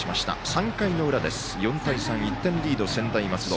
３回の裏、４対３１点リード、専大松戸。